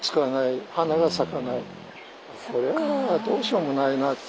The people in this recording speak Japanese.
これはどうしようもないな。